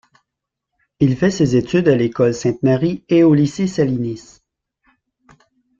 Il fait ses études à l'école Sainte-Marie et au Lycée Salinis.